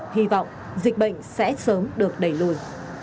hy vọng dịch bệnh sẽ sớm được đẩy lùi